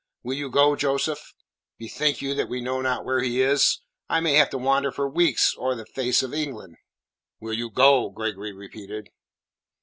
"Will you go, Joseph?" "Bethink you that we know not where he is. I may have to wander for weeks o'er the face of England." "Will you go?" Gregory repeated.